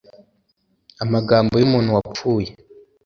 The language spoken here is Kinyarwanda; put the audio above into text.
amagambo y'umuntu wapfuye